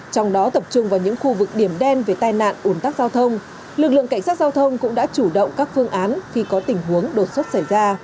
trong đó tập trung vào những khu vực điểm đen về tai nạn ủn tắc giao thông lực lượng cảnh sát giao thông cũng đã chủ động các phương án khi có tình huống đột xuất xảy ra